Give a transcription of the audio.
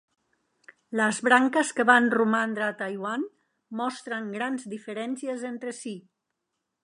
Les branques que van romandre a Taiwan mostren grans diferències entre si.